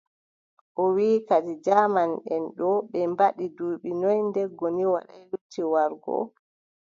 O wii kadi jaamanʼen ɗo ɓe mbaɗi duuɓi noy nde Goni Waɗaay lotti warugo ?